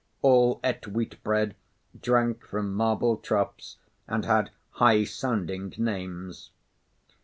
All ate wheat bread, drank from marble troughs, and had high sounding names.